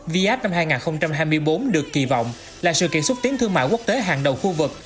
viad năm hai nghìn hai mươi bốn được kỳ vọng là sự kiện xúc tiến thương mại quốc tế hàng đầu khu vực